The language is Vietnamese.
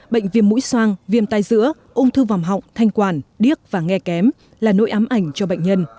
bệnh viêm mũi soang viêm tai giữa ung thư vòng họng thanh quản điếc và nghe kém là nỗi ám ảnh cho bệnh nhân